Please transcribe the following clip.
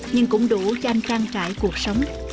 nhưng cũng đủ cho anh trang trải cuộc sống